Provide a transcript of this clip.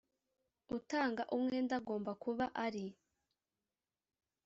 utanga umwenda agomba kuba ari